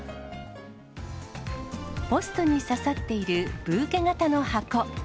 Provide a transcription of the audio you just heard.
ポストに刺さっているブーケ型の箱。